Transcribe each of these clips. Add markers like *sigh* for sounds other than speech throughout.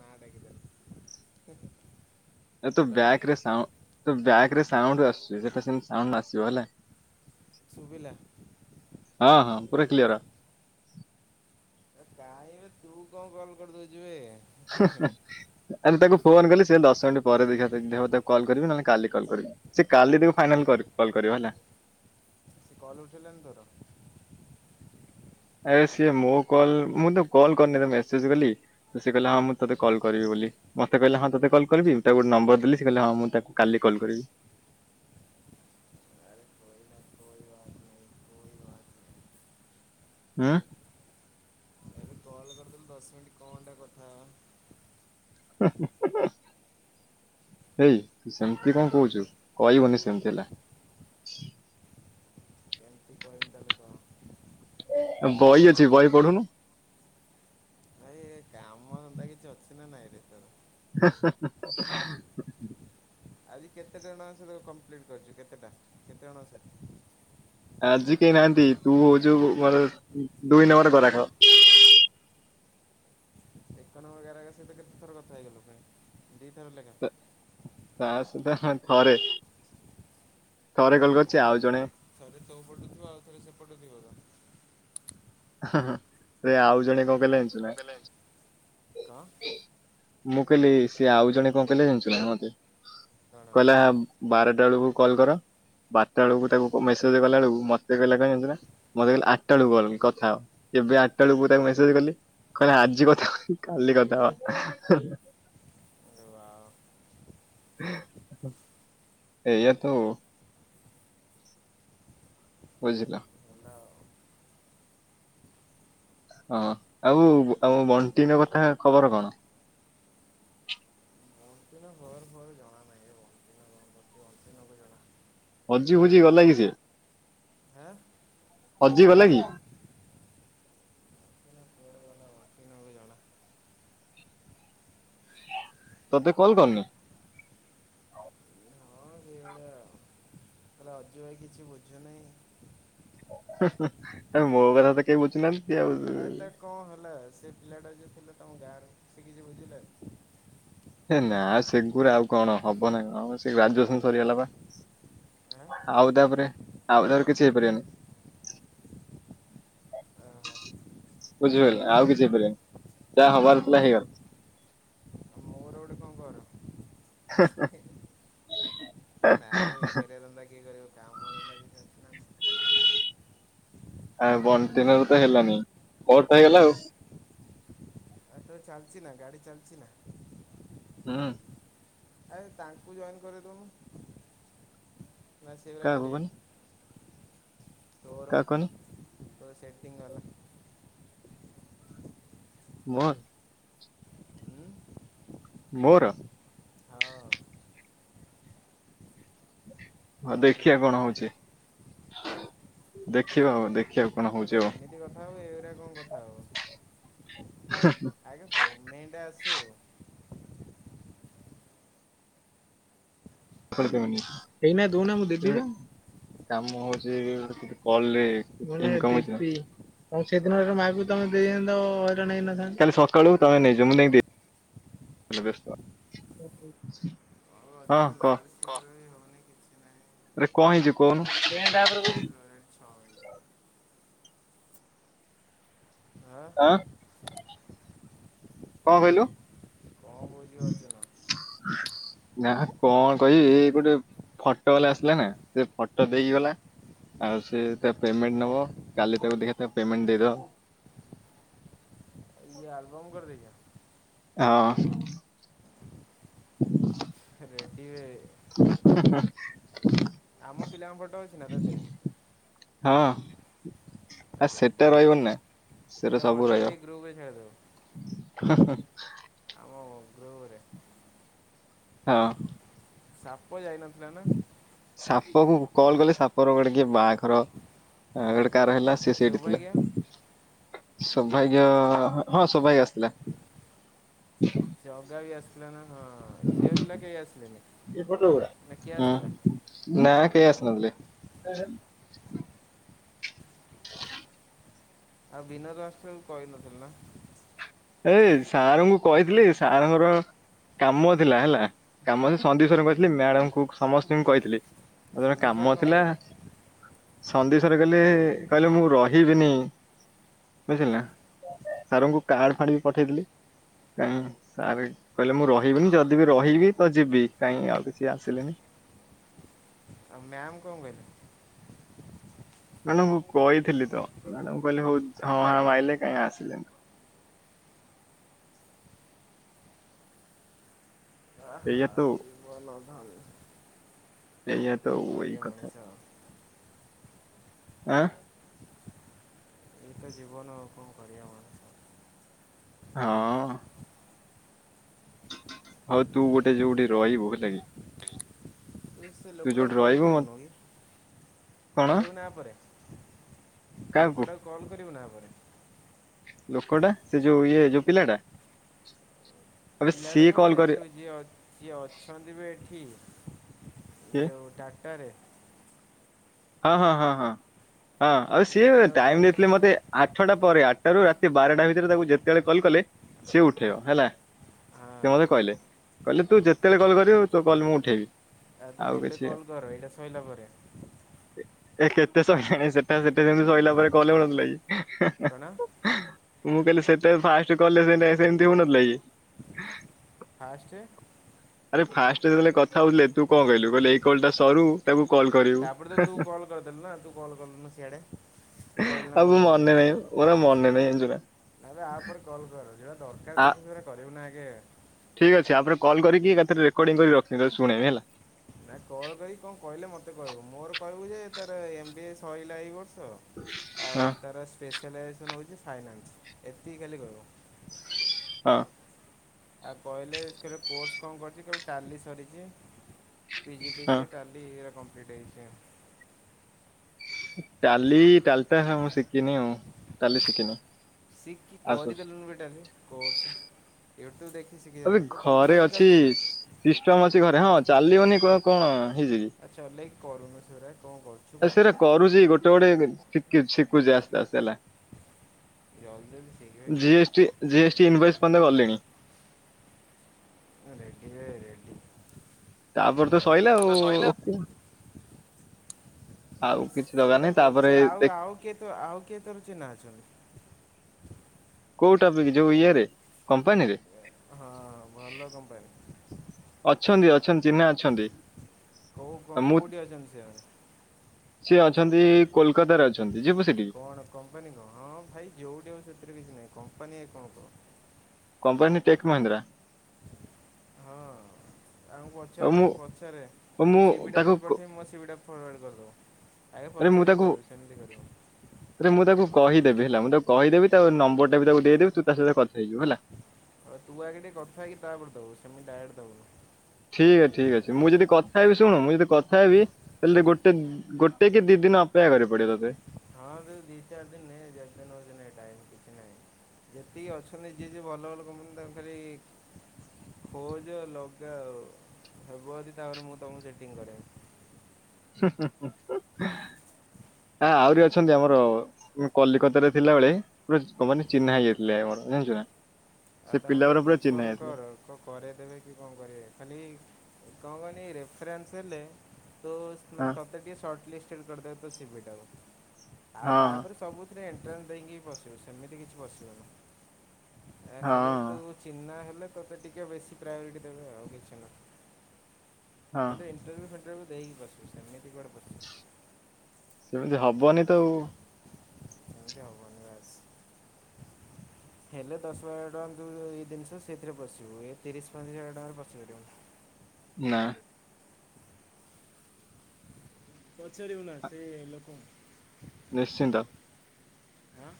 ନା *inaudible* ତୋ ହ୍ୟାଲୋ ବ୍ୟାରେ ତ ବ୍ୟାକରେ ସାଉଣ୍ଡ ଆସ ସେତିଣ୍ଡସିବ ହେଲା। ସୁବିଲା ପୁରୁରା କ୍ଲିୟର ଏ କାହିଁବେ ତୁ କଣ କଲ କରିଦଉଛିବେ ଆ ତାକୁ ଫୋନ୍ କଲି ସି ଦଶ ମିନିଟ୍ ପରେ ଦେଖାି ଦେବ ତାକୁ କଲ୍ କରିବି ନହେଲେ କାଲି କଲ୍ କରିବି ସେି କାଲି ତାକୁ ଫାଇନାଲ କଲ୍ କରିବ ହେଲା। ସେ କଲ ଉଠିଲଣି ତୋର ଆ ସିଏ ମୋ କଲ ମୁଁ ତ କଲ କରିନି ମେସେଜ କଲି ସେଏ କହିଲା ହଁ ମୁଁ ତୋତେ କଲ୍ କରିବି ବୋଲି ମତେ କହିଲେ ହଁ ତୋତେ କଲ୍ କରିବି ତାକୁ ଗୋଟେ ନମ୍ବର ଦେଲି ସେ କହିଲା ହଁ ମୁଁ ତାକୁ କାଲି କଲ୍ କରିବି। ଆରେ କୋଇନା କୋଇ ବାତ ନାହିଁ କୋଇ ବାତ ଆ ଲ ଦଶ ମିନିଟ୍ କଣଟା କଥା ହେବା। ଏଇ ସେମିତି କଣ କହୁଛୁ କହିବୁନି ସେମିତି ହେଲା- କ କହତାଳୁ କ- ବହି ଅଛି ବହି ପଢୁନୁ- ଭାଇ ଏ କାମ ସେନ୍ତା କିଛି ଅଛି ନା ନାଇଁ- *inaudible* ଆଜି କେତେ ଟଣଙ୍କ ସତ କମ୍ପ୍ଲିଟ କରିଛୁ କେତେଟା କେତେ ଜଣଙ୍କ ସହି- ଆଜି କେହି ନାହାନ୍ତି ତୁ ହଉଛୁ ମୋର ଦୁଇ ନମ୍ବର କର ଖ- ହେରୀକା ସହିତ କେତେଥର କଥା ହେଇଗଲୁଣି? ଦିଥର ଲ। ତା ସହିତ ଥରେ। ଥରେ କଲ୍ କ କରିଛି ଥରେ ଆଉ ଜଣେ ଥରେ ତୋ ପଟୁ ଥିବ ଆଉ ଥରେ ସେପଟୁ ଥିବ ତ ଆରେ ଆଉ ଜଣେ କଣ କହିଲେ ଆଁ ଯାଣିଛୁ ନା? କଣ ମୁଁ କହିଲି ସେ ଆଉ ଜଣେ କଣ କହିଲେ ଜଣିଛୁ ନା ମତେ କଣ? କହିଲା ବାରଟା ବେଳକୁ କଲ୍ କର ବାରଟା ବେଳକୁ ତାକୁ ମେସେଜ କଲା ବେଳକୁ ମତେ କହିଲା କଣ ଜାଣିଛୁ ନା ମତେ ଆଠଟା ବେଳକୁ କଲ୍ ଥା ହ ଏବେ ଆଠଟା ବେଳକୁ ତାକୁ ମେସେଜ କଲି କହିଲେ ଆଜି କଥା ହବାନି କାଲି କଥା ହବା। ଆରେ ୱାଓ ହ ଏୟା ତ ଆଉ। ବୁଝିଲ। ହେଲା ଆଉ। ହଁ ଆଉ ଆଉ ବଣ୍ଟି ନ କଥା ଖବର କଣ? *unintelligible* ହଜି ଫୋଜି ଗଲା କି ସେ? ଆଁ ହଜି ଗଲେ କି? ବଣ୍ଟି ନା କୁଆଡ଼େ ଗଲା ବଣ୍ଟି ନକୁ ଜଣା। ତୋତେ କଲ କରନି। ହେଲେ ଅଜୁ ଭାଇ କିଛି ବୁଝୁନହିଁ। ଆ ମୋ କଥା ତ କେହି ବୁଝିନାହାନ୍ତି। ଏତ କଣ ହେଲା। *unintelligible* ହେ ନା ସେଗୁରା ଆଉ କଣ ହବ ନା କ ସେ ଗ୍ରାଜୁଏସନ ସରିଗଲା ବା ଆଁ ଆଉ ତାପରେ ଆଉ ତାପରେ କିଛି ହେଇପାରିବନି। ଓହୋ ଆଉ ବୁଝିପାରିଲ ଆଉ କିଛି ହେଇପାରିବନି ଯାହା ହବାର ଥିଲା ହେଇଗଲା। ମୋର ଗୋଟେ କଣ କର *inaudible* ନା ରେ ବେକାରିଆ ଧନ୍ଦା କିଏ କରିବ। କାମ ଧନ୍ଦା କିଛି ଅଛି ନା ନାହିଁ। ଆ ବଣ୍ଟନର ତ ହେଲାନି କଟ ତ ହେଇଗଲା ଆଉ। ଏଠୋ ଚାଲିଛି ନା ଗାଡ଼ି ଚାଲିଛି ନା? ହଁ ଆରେ ତାଙ୍କୁ ଜଏନ କରେଇଦୋଉନୁ ମୁୁ ନା ସେବି ଆଉ କାହାକୁ କରିଆ କହନି କାହାକୁ କହନି? ତ ସେଟିଂ ହେଲା। ମୁଁ ଉଁ ମୋର ହଁ ହଁ ଦେଖିବା କଣ ହଉଛି ଦେଖିବା ହଉ ଦେଖିବାକୁ ତାଲେ ଏମିତି କଥା ହଉ ଏଗୁଡା କଣ କଥା ହଉ ଆଞା ପ ମେଟା ଆସ ହ ନି ହେଇନା ଦଉନା ମୁ ଦେବି ପା କାମ ହଉଛି ଗୋଟେ କଲ ରେ ଇନକମ୍ ହୋଉଛି। ହଁ କହ। ସେଇଦିନରେ ମାଇକୁ ତମେ ଦେଇଅନ୍ତ ାଲି ସକାଳୁ ତମେ ନେଇଯ ମୁଁକିି? ଲ ବ୍ୟ ଯୁ ଲା ହ ଆରେ କଣ ହେଇଛୁ କହନୁ। କେଟ ଭାଇରେ ଆହୁରି ରହିଲାଣି ଛଅ ମିନିଟ୍। ଆ ଆଁ କଣ କହିଲୁ କଣ କହୁଛି ଅର୍ଜୁନ *inaudible* ନା କଣ କହିବି ଏଇ ଗୋଟେ ଫଟୋ ବାଲା ଆସିଲା ନା ସେ ଫଟୋ ଦେଇକି ଗଲା ଆଉ ସେ ତା ପେମେଣ୍ଟ ନବ କାଲି ତାକୁ ଦେଖି ପେମେଣ୍ଟ ଦେଇଦବ। ଇ ଆଲବମ୍ କରଦିା ହଁ ହ ରେଟିିବ। *inaudible* ଆମ ଫିଲାମ ଫଟ ଅଛି ନା ତ ଏଥିରେ ହଁ ଆ ସେଟା ରହିବନି ନା ସେରେ ଏଇଟା ସାବୁ ଫଟୋ ରା ଉଠେଇ ଗ୍ରୁପରେ ଛାଡ଼ିଦବୁ ଆମ ଗ୍ରୁପରେ ହଁ ସାପ ଯାଇନ ହେ ନା ସାପ କ କଣ କଲେ ସାପର ଗୋଟେ କିଏ ବାହାଘର ଗୋଟେ କାହାର ହେଲା। ସେ ସେଠଥିଲା। ସୌଭାଗ୍ୟ ସୌଭାଗ୍ୟ ହଁ ସୌଭାଗ୍ୟ ଆସିଥିଲା। ଯୋଗା ବି ଆସଥିଲା ନା? ହଁ ଝିଅ ପିଲା କେହି ଆସିଲେନି ନା କିଏ ଁ ଆସିଥିଲା? ନା ପେ ଆସନଲେ ଆଉ ବିନୋଦ ରାଷ୍ଟ୍ର କହିନଥିଲ ନା? ଏଇ ସାର୍ ଙ୍କୁ କହିଥିଲି ସାର୍ଙ୍କର କାମ ଥିଲା ହେଲା କାମ ଥିଲା ସନ୍ଦଶଵର କହିଥିଲି ମ୍ୟାଡମ କ ସମସ୍ତଙ୍କୁ କହିଥିଲି। ଆଉ ତର ସନ୍ଦୀପ ସାର୍ କାମ କଣ ଥିଲା। କହିଲେ ସନ୍ଦିପ ସାର କହିଲେ କହିଲେ ମୁଁ ରହିବିନି ବୁଝିଲ ନା ସାରଙ୍କୁ କାର୍ଡ କାର୍ଡ ଫାର୍ଡ ବି ପଠେଇଥିଲି ସାର କହିଲେ ମୁଁ ରହିବିନି ଯଦି ବି ରହିବି ତ ଯିବି କାଇଁ ଆଉ କିଛି ଆସିଲେନି ଆଉ ମ୍ୟାମ କଣ କହିଲେ ମ୍ୟାଡମକୁ କହିଥିଲି ତ ମ୍ୟାଡାମ କହିଲି ହଉ ହଁ ହଁ ଆଇଲେ କାଇଁ ଆସିଲେ ନାହିଁ ଆହା ଏଇଆ ତ ଆଉ *inaudible* ଏଇଆ ତ କଣ ଆଉ ଏଇ କରିବା କଥା ମଣିଷ ଆଉ। ଏଁ। ଏଇ ତ ଜୀବନ ଆଉ କଣ କରିବା ମଣିଷ। ହଁ। ହଉ ତୁ ଗୋଟେ ଯୋଉଠି ରହିବୁ ହେଲା କି। ତ ସେ ତୁ ଲୋକଟାକୁ ଯୋଉଠି କଲ ରହିବୁ ମତେ କଲୁନୁ କି? କଣ କରିବୁନି ଆ ପରେ। ଲୋକଟାକୁ କଲ କରିବୁ ନା ଆଉ। ଲୋକ ଟା ସେ ଯୋଉ ଇଏ ଯୋଉ ପିଲାଟା। ଆବେ ପିଲାଟେ ସିଏ ନୁହଁ କଲ୍ ବେ ଏ କରି ଯୋଉ ଯିଏ ଯିଏ ଅଛନ୍ତି ବେ ଏଠି କିଏ ଯୋଉଁ ଟାଟାରେ। ହଁ ହଁ ହଁ ହଁ। ହଁ ଆଉ ସେ ସିଏ ଲୋକଟାକୁ ଟାଇମ କଲ୍ ଦେଇଥିଲେ ମୋତେ ଆଠଟା ପରେ ଆଠଟାରୁ ରାତି ବାରଟା ଭିତରେ ତାକୁ ଯେତେବେଳେ କଲ କଲେ ସିଏ ଉଠେଇବ ହେଲା ହଁ ସେ ମୋତେ କହିଲେ କହିଲେ ତୁ ଯେତେବେଳେ କଲ୍ କରିବୁ ତୋ କଲ୍ ମୁଁ ଉଠେଇବି। ଆଉ ତାହେଲେ ଏବେ କିଛି କଲ କରେ ଏଇଟା ଶଇଲା ପରେ। ଏ କେତେ ସରିଲାଣି ସେଟା ସେଠ ସେମିତି ସରିଲା ପରେ କଲେ କରୁଥିଲା। କଣ? ମୁଁ କହିଲି ସେତେ ଫାଷ୍ଟ କଲରେ ଏନେ ସେମତି ହଉନଥିଲା କି? ଫାଷ୍ଟେ। ଆରେ ଫାଷ୍ଟେ ଯେତେବେଳେ କଥା ହଉଥିଲେ ତୁ କଣ କହିଲୁ କହିଲୁ ଏଇ କଲଟା ସରୁ ତାକୁ। କଲ୍ କରିବୁ ତାପରେ ତ ତୁ କଲ କରିଦେଲୁ ନା ତୁ କଲ କଲୁନୁ ସିଆଡେ ତୁ କହିଲୁ ନା ଆଉ ମୋ କଲ ମନେ ନାହିଁ ମୋର ଆଉ ମନେ ନାହିଁ ଜାଣିଛୁ ନା କରିବୁ ଆପରେ କଲ କର ଯଉଟା ଦରକାର ଜିନିଷ ସେଟା କରିବୁ ନା। ଇଏ। ଠିକ ଅଛି ୟା ପରେ କଲ କରିକି ଏକାଥରେ ରେକର୍ଡିଂ କରି ରଖିବି ତତେ ଶୁଣେଇବି ହେଲା। ନାଇଁ କଲ୍ କରି କଣ କହିଲେ ମୋତେ କହିବୁ ମୋର କହିବୁ ଯେ ତାର ଏମ ବିଏ ସରିଲା ଏଇ ବର୍ଷ। ତ ଆଉ ହଁ ତାର ସ୍ପେସ। ମାଇକ୍ରୋ ଫାଇନାନ୍ସ ହଉଛି ଫାଇନାସ ଏତିକି ଖାଲି କହିବ। ହଁ ହେଲା। ଆଉ କହିଲେ ଏଥିରେ କୋର୍ସ କଣ କରିଛି କେବେ ଟାଲି ସରିଛି। ହଁ ପିଜିଡିସିଏ ଟାଲି ଏ ରାକ। *unintelligible* ଟାଲୀ ଟାଲୀ ଟା ହଁ ମୁଁ ଶିଖିନି ଆଉ ଟାଲୀ ଶିଖିନି। ଶିଖିକୁ ଆସୁ କରିଦେଲୁନି ବେ ଟାଲି କୋର୍ସ। ୟୁଟ୍ୟୁବ ଦେଖି ଶିଖି ଆବେ ଜାଣ ତ ଘରେ କମ୍ପ୍ୟୁଟରଟା ଅଛି ଚାଲୁଛି ନା ସିଷ୍ଟମ ଅଛି ଘର ହଁ ଚାଲିବନି କହ କଣ ହେଇଛି କି? ଆଉ ଚଲେଇକି କରୁନୁ ସେଗୁରା କ'ଣ କରୁଛୁ ଆ କ'ଣ ସେଇରା ବେ କରୁଛି ଗୋଟେ ଗୋଟେ ଶିଖି ଶିଖୁଛି ଆସ୍ତେ ଆସ୍ତେ ହେଲା। ଜଲ୍ଦି ଜଲ୍ଦି ଶିଖ ଜିଏସ୍ଟି ଜିଏସ୍ଟି ଇନଭେଷ୍ଟ ଏପର୍ଯ୍ୟନ୍ତ ଗଲିଣି। ରେଡିରେ ରେଡ଼ି। ତାପରେ ତ ସଇଲା ତୋର ଆଉ ତ ସଇଲା। ଓକେ। ଆଉ କିଛି ଦରକାର ସେଇଟା ନାହିଁ ତାପରେ ପଚାର ଆଉ ଦେଖ- ଆଉ କିଏ ତ ଆଉ କିଏ ତୋର ଚିହ୍ନା ଅଛନ୍ତି। କୋଉଟା ଯୋଉ ଇଏରେ କମ୍ପାନୀରେ ହଁ ଭଲ କମ୍ପାନୀ ଅଛନ୍ତି ଅଛନ୍ତି ଚିହ୍ନା ଅଛନ୍ତି। କୋଉ ଆଉ ମୁଁ କୋଉଠି ଅଛନ୍ତି ସିଏ? ସିଏ ଅଛନ୍ତି କୋଲକାତାରେ ଅଛନ୍ତି। ଯିବୁ ସେଠିକି କଣ କମ୍ପାନୀ କଣ ହଁ ଭାଇ ଯୋଉଠି ଆଉ ସେଥିରେ କିଛି ନାହିଁ କମ୍ପ କମ୍ପାନୀ କଣ କହ? Company take Mahindra. ହଁ। ଆଉ ପଚାରନୁ ପଚାରେ ଆଉ ମୁଁ ସିିବି ଟା ତାକୁ ତତେ କ- ପଠେଇବି ମୋ ସିିବି ଟା ଫରୱାର୍ଡ କରିଦବ ଆଗେ ଆରେ ମୁଁ ପଚାରିକି ତାକୁ କରିବ ସେମିତି କରିବନି। ରେ ମୁଁ ତାକୁ କହିଦେବି ହେଲା ମୁଁ ତାକୁ କହିଦେବି ତାପରେ ନମ୍ବର ଟା ବି ତାକୁ ଦେଇଦେବି ତୁ ତା ସହିତ କଥା ହେଇଯିବୁ ହେଲା। ଆଉ ତୁ ଆଗେ ଟିକେ କଥା ହେଇ କି ତାପରେ ଦବୁ ସେମିତି ଡାଇରେକ୍ଟ ଦବୁନୁ। ଠିକ ଅ ଠିକ ଅଛି ମୁଁ ଯଦି କଥା ହେବି ଶୁଣ ମୁଁ ଯଦି କଥା ହେବି ତାହେଲେ ଗୋଟେ ଗୋଟେ କି ଦି ଦିନ ଅପେକ୍ଷା କରିବାକୁ ପଡିବ ତତେ। ହଁ ସେଇ ଦି ଚାରି ଦିନ ଯେତେ ନଉଚୁ ନେ ଟାଇମ୍ କିଛି ନାହିଁ ଯେତିକି ଅଛନ୍ତି ଯିଏ ଯୋଉ ଭଲ ଭଲ କମ୍ପାନୀ ତାଙ୍କୁ ଖାଲି ଖୋଜ ଲଗାଅ ହେବ ତାପରେ ମୁଁ ତମକୁ ସେଟିଂ କରବି ଆ ଆହୁରି ଅଛନ୍ତି ଆମର କଲିକତାରେ ଥିଲାବେଳେ ପୁରା ମାନେ ଚିହ୍ନା ହେଇଯାଇଥିଲେ ଆମର ଜାଣିଛୁ ନା। ଆ ସେ ତାଙ୍କୁ ପିଲା ଗୁରା ଟିକେ ପୁରା ଚିହ୍ନା ଇନଫର୍ମ ହେଇଯାଇଥିଲେ କର କ କରେଇଦେବେ କି କଣ କରିବେ ଖାଲି କଣ କହନି ରେଫରେନ୍ସ ହେଲେ ତ ହଁ ମାନେ ତତେ ଟିକେ ସର୍ଟ ଲିଷ୍ଟ କରିଦେବେ ତୋ ସିଭି ଟାକୁ। ଆଉ ହଁ ତାପରେ ସବୁଥିରେ ଏ ଏଣ୍ଟ୍ରଂଶ ଦେଇକିି ବି ପଶିବ ସେମିତି କିଛି ପଶିବୁନୁ। ହଁ ଖାଲିୁ ଚିହ୍ନା ହେ। ଲେ ତୋତେ ଟିକେ ବେଶୀ ପ୍ରାୟୋରିଟି ଦେବେ ଆଉ କିଛି ନା *inaudible* ହଁ। କିନ୍ତୁ ଇଣ୍ଟରଭିୁ ଫଣ୍ଟ *inaudible* ଦେଇକି ବସିବୁ ସେମିତି ଗୁଆଡ଼େ ବସ *inaudible* ସେମିତି ହବନି ତ ଆଉ ଏମତି ହବନି ବାସ ହେଲେ ଦଶ ହଜାର ଟଙ୍କା ଯୋଉ ଏ ଜିନିଷ ସେଥିରେ ପଶିବୁ ଏ ତିରିଶ ପତିରିଶ ହଜାର ଟଙ୍କାରେ ପଶିପାରିବୁ ନା *inaudible* ନିଶ୍ଚିନ୍ତ। ଆଁ।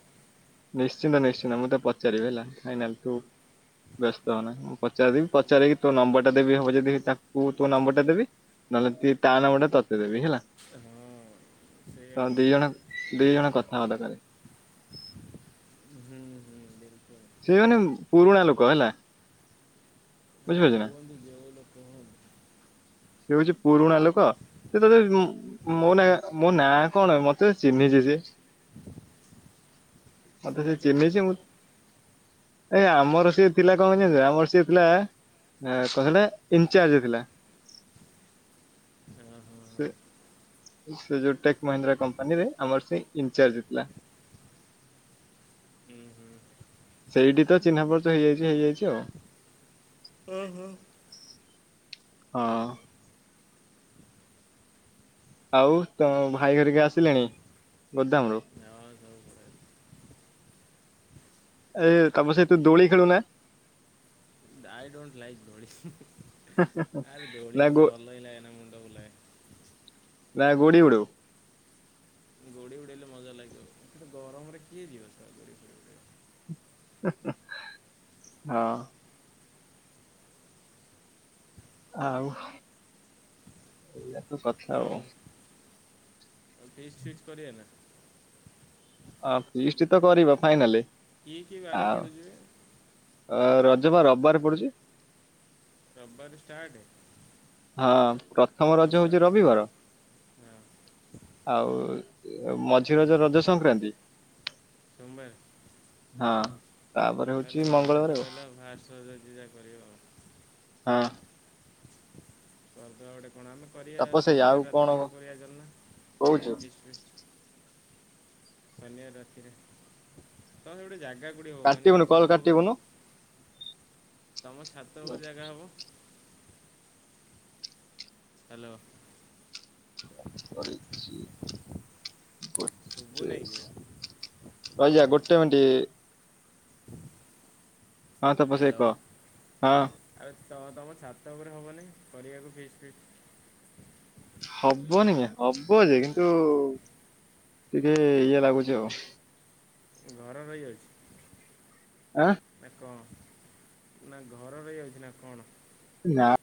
ନିଶ୍ଚିନ୍ତ ନିଶ୍ଚିନ୍ତ ମୁଁ ତ ପଚାରିବି ହେଲା ଫାଇନାଲ ତୁ ବ୍ୟସ୍ତ ହବ ନା ମୁଁ ପଚାରିଦବି ପଚାରିକି ତୋ ନମ୍ବର ଟା ଦେବି ହବ ଯଦି ତାକୁ ତୋ ନମ୍ବର ଟା ଦେବି ନହେଲେ ତା ନମ୍ବର ଟା ତତେ ଦେବି ହେଲା। ହଁ ସେଇଆ ତା କର। ଦି ଜଣ ଦିଇ ଜଣ କଥାବାର୍ତ୍ତା କରେ ହୁଁ ହୁଁ ବିଲକୁଲ। ସେ ମାନେ ପୁରୁଣା ଲୋକ ହେଲା ହଁ ବୁଝିପାରୁଚୁ ନା ହୁଅନ୍ତୁ ଯୋଉ ଲୋକ ହୁଅନ୍ତୁ ସେ ହଉଚି ପୁରୁଣା ଲୋକ ସେ ତ ମୋ ନା ମୋ ନାଁ କଣ ମତେ ଚିହ୍ନିଚି ସିଏ। ମତେ ସେ ଚିହ୍ନା କେମିତି ହେଲା? ଚିହ୍ନିଚି ମୁଁ ଏ ଆମର ସେ ଥିଲା କଣ ଜାନୁଚୁ ନା ଆମର ସେ ଥିଲା କ ସେଟା ଇନଚାର୍ଜ ଥିଲା। ହଁ ହଁ ସେ ହଁ। ଯୋଉ ଟେକ୍ ମେହେନ୍ଦ୍ରା କପାନୀରେ ଆମର ସେ ଇନଚାର୍ଜ ଥିଲା। ସେଇଠି ତ ଚିହ୍ନା ପରିଚୟ ହେଇଯାଇଚି ହେଇଯାଇଚି ଆଉ। ହଁ ହଁ। ହଁ। ଆଉ ତୋ ଭାଇ ହେରିକି ଆସିଲେଣି ଗୋଦାମରୁ? ହଁ ସବୁ ବଢ଼ିଆ ଏଇ ତାମେ ସେ ତୁ ଦୋଳି ଖେଳୁନା। ଆଇ ଡୋଣ୍ଟ ଲାଇକ୍ ଦୋଳି ଆରେ ଦୋଳି ନା ମତେ ଗୋ ଭଲ ହିଁ ଲାଗେନା ମୁଣ୍ଡ ବୁଲାଏ। *unintelligible* ଗୋଡି ଉଡେଇଲେ ମଜା ଲାଗିବ କିନ୍ତୁ ଗରମରେ କିଏ ଯିବ *unintelligible* ହଁ। ଆଉ ଏଇଆ ତ କଥା ଆଉ। ଆଉ ଫିଷ୍ଟ୍ ଫିଷ୍ଟ୍ କରିବା ନା? ହଁ ଫିଷ୍ଟ ତ କରିବ ଫାଇନାଲି। କି କି ବାରେ ଆଉ ପଡୁଛିି ବେ? ଅ ରଜ ବା ରବିବାର ପଡୁଚି। ରବାର ଷ୍ଟାର୍ଟ ହଁ। ପ୍ରଥମ ରଜ ହଉଛି ରବିବାର ହଁ ଆଉ ମଝି ରଜ ରଜ ସଂକ୍ରାନ୍ତି। ସୋମବାର। ହଁ। ତାପରେ ହଉଛି ଆରେ ରବାର ମଙ୍ଗଳବାର ଟା ଆଉ ରହିଲା ବାହାର ସଛି ଯାହା କରିହବ। ହଁ *unintelligible* କଣ ଆମେ କରିବା ତପସ୍ୟାଇ ଆଉ ଶନିବାର କଣ ରାତିରେ ଗୋଟେ କରିବା ଚାଲ ନା କଣ କହୁଛୁ ଫିଷ୍ଟ ଫିଷ୍ଟ। ଶନିବାର ରାତିରେ ତମ ସେଇଟି ଗୋଟେ ଜାଗା କୋଉଟି ହବ କହନି ତମ କାଟିବୁନୁ କଲ ଛାତ ଉପରେ କାଟିବୁନୁ। ତମ ଛାତ ଉପରେ ଜାଗା ହବ। ହାଲୋ। *inaudible* ଶୁବୁ ନେଇଁ କିରେ? ରାଇଜା ଗୋଟେ ମିିନିଟ୍ ହଁ ତାପସ୍ ଭାଇ କଅ ହଁ। ଆ ତ-ତମ ଛାତ ଉପରେ ହବନି କରିବାକୁ ଫିସ୍ ଫିସ୍। ହବନି ହବ ଯେ କିନ୍ତୁ ଟିକେ ଇଏ ଲାଗୁଛି ଆଉ। ଘର ରହିଯାଉଛି ଆଁ। ନା କଣ ନା ଘର ରଇ ଯାଉଛି ନା କଣ। ନା।